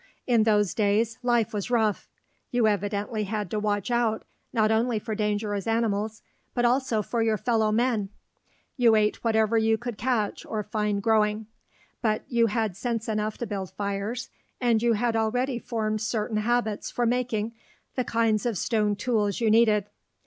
In those days life was rough. You evidently had to watch out not only for dangerous animals but also for your fellow men. You ate whatever you could catch or find growing. But you had sense enough to build fires, and you had already formed certain habits for making the kinds of stone tools you needed.